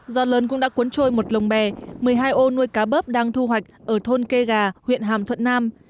do lớn cũng đã cuốn trôi một lồng bè một mươi hai ô nuôi cá bớp đang thu hoạch ở thôn kê gà huyện hàm thuận nam